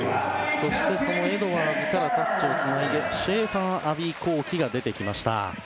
そしてエドワーズからタッチをつないでシェーファー・アヴィ幸樹が出てきました。